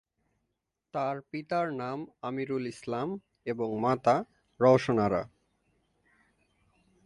তার পিতার নাম "আমিরুল ইসলাম" এবং মাতা "রওশন আরা"।